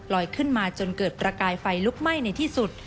ขึ้นมาจนเกิดประกายไฟลุกไหม้ในที่สุด